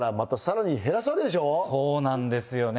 そうなんですよね。